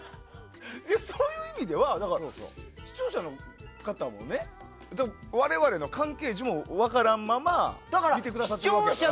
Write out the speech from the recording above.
そういう意味では視聴者の方は我々の関係も分からないまま見てくださってるわけ。